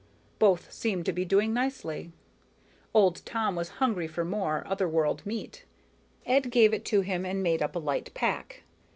Both seemed to be doing nicely. Old Tom was hungry for more otherworld meat. Ed gave it to him and made up a light pack.